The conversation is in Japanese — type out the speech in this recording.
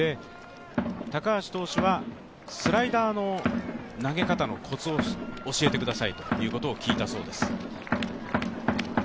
高橋投手はスライダーの投げ方のコツを教えてくださいということを聞いたそうです。